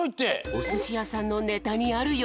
おすしやさんのネタにあるよ。